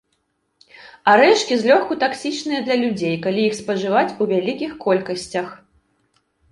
Арэшкі злёгку таксічныя для людзей калі іх спажываць у вялікіх колькасцях.